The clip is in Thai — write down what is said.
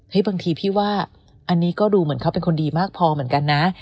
บางทีพี่ว่าอันนี้ก็ดูเหมือนเขาเป็นคนดีมากพอเหมือนกันนะ